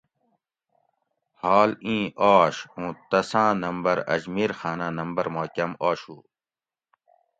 حال ایں آش اوں تساۤں نمبر اجمیر خاناۤں نمبر ما کم آشو